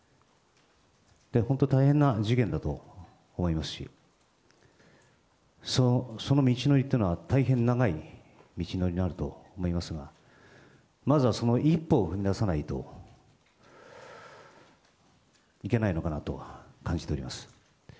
本当、大変な事件だと思いますし、その道のりというのは、大変長い道のりになると思いますが、まずは、その一歩を踏み出さないといけないのかなと感じております。